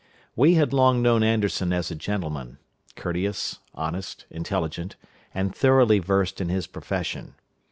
We had long known Anderson as a gentleman; courteous, honest, intelligent, and thoroughly versed in his profession.